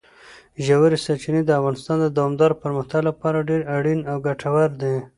ژورې سرچینې د افغانستان د دوامداره پرمختګ لپاره ډېر اړین او ګټور دي.